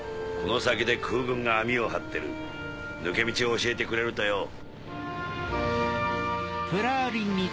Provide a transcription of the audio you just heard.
この先で空軍が網を張ってる抜け道を教えてくれるとよ。